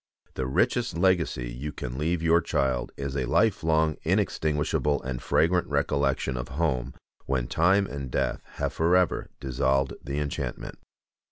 The richest legacy you can leave your child is a life long, inextinguishable, and fragrant recollection of home when time and death have forever dissolved the enchantment.